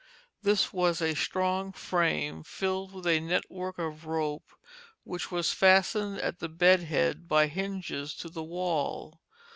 This was a strong frame filled with a network of rope which was fastened at the bed head by hinges to the wall.